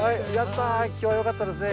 今日はよかったですね。